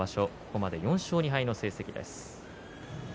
ここまで４勝２敗の成績です。